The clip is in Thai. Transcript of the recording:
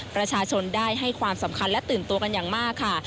ประชาชนได้ให้ความสำคัญและตื่นตัวกันอย่างมากค่ะ